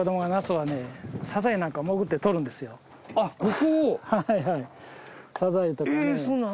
はいサザエとかね。